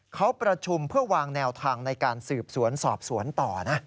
เขาประชุมเพื่อวางแนวทางในการสืบสวนสอบสวนต่อนะ